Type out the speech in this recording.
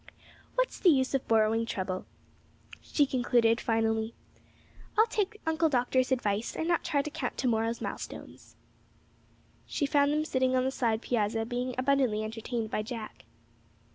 "What's the use of borrowing trouble?" she concluded, finally. "I'll take Uncle Doctor's advice, and not try to count to morrow's milestones." She found them sitting on the side piazza, being abundantly entertained by Jack.